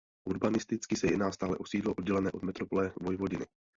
Urbanisticky se jedná stále o sídlo oddělené od metropole Vojvodiny.